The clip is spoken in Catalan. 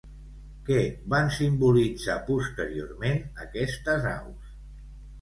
Què van simbolitzar posteriorment aquestes aus?